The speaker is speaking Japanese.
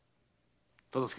忠相。